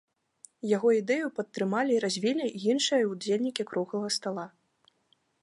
Яго ідэю падтрымалі і развілі іншыя ўдзельнікі круглага стала.